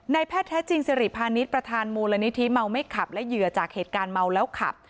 แพทย์แท้จริงสิริพาณิชย์ประธานมูลนิธิเมาไม่ขับและเหยื่อจากเหตุการณ์เมาแล้วขับ